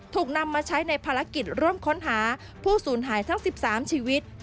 ถูกนำมาใช้ในภารกิจร่วมค้นหาผู้สูญหายทั้ง๑๓ชีวิต